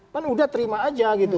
kan udah terima aja gitu